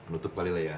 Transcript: nutup kali lah ya